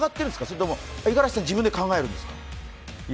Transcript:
それとも五十嵐さん、自分で考えるんですか？